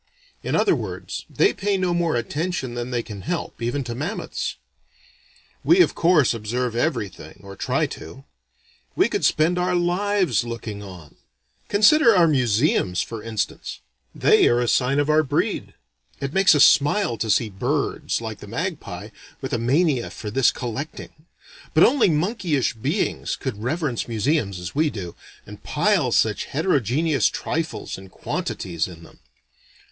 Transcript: In other words, they pay no more attention than they can help, even to mammoths. We of course observe everything, or try to. We could spend our lives looking on. Consider our museums for instance: they are a sign of our breed. It makes us smile to see birds, like the magpie, with a mania for this collecting but only monkeyish beings could reverence museums as we do, and pile such heterogeneous trifles and quantities in them.